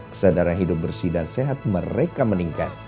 kesadaran hidup bersih dan sehat mereka meningkat